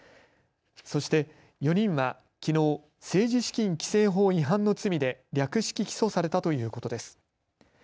そして４人はきのう、政治資金規正法違反の罪で略式起訴されたということです。